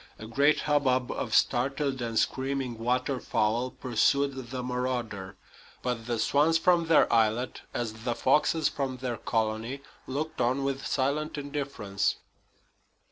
A great hubbub of startled and screaming water fowl pursued the marauder; but the swans from their islet, as the foxes from their colony, looked on with silent indifference.